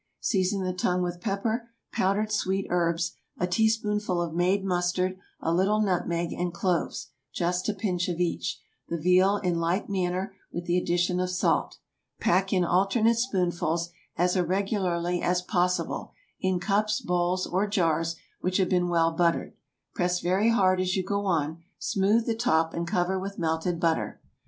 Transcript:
Season the tongue with pepper, powdered sweet herbs, a teaspoonful of made mustard, a little nutmeg, and cloves—just a pinch of each; the veal in like manner, with the addition of salt. Pack in alternate spoonfuls, as irregularly as possible, in cups, bowls, or jars, which have been well buttered. Press very hard as you go on, smooth the top, and cover with melted butter.